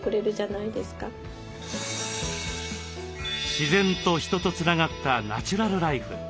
自然と人とつながったナチュラルライフ。